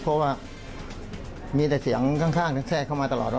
เพราะว่ามีแต่เสียงข้างแทรกเข้ามาตลอด